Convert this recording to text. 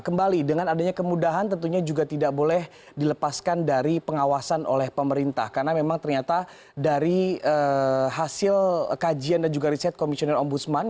kembali dengan adanya kemudahan tentunya juga tidak boleh dilepaskan dari pengawasan oleh pemerintah karena memang ternyata dari hasil kajian dan juga riset komisioner ombudsman